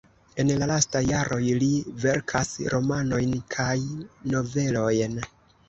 En lastaj jaroj li verkas romanojn kaj novelojn.